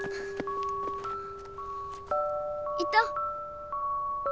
いた！